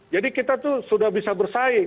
jadi kita tuh sudah bisa bersaing